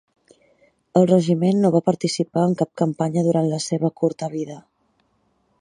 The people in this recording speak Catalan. El regiment no va participar en cap campanya durant la seva curta vida.